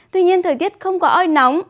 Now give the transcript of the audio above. tuy nhiên thời tiết không quá oi nóng